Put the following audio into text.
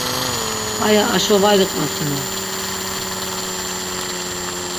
Aya aşo var iqvasinon.